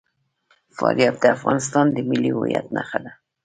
فاریاب د افغانستان د ملي هویت نښه ده.